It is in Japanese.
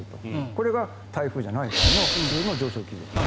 これが台風じゃない場合の普通の上昇気流です。